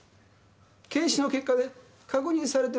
検視の結果で確認されてます。